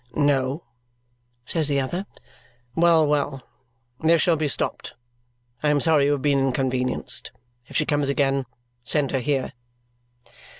"No," says the other. "Well, well! This shall be stopped. I am sorry you have been inconvenienced. If she comes again, send her here."